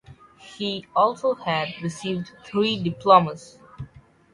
He also has received three diplomas.